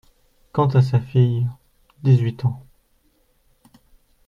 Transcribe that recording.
Quant à sa fille… dix-huit ans…